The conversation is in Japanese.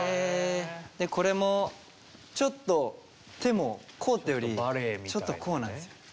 でこれもちょっと手もこうっていうよりちょっとこうなんですよね。